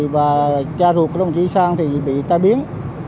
và cha ruột của đồng chí sang thì bị tai biến